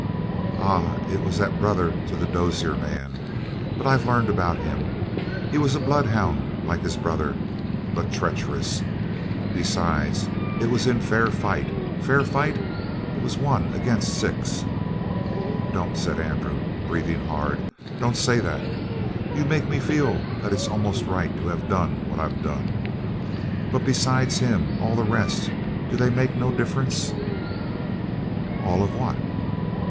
"Ah, it was that brother to the Dozier man. But I've learned about him. He was a bloodhound like his brother, but treacherous. Besides, it was in fair fight. Fair fight? It was one against six!" "Don't," said Andrew, breathing hard, "don't say that! You make me feel that it's almost right to have done what I've done. But besides him all the rest do they make no difference?" "All of what?"